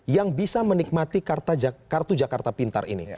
yang bisa menikmati kartu jakarta pintar ini